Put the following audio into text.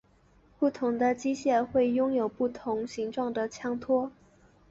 不同的枪械会拥有不同形状的枪托。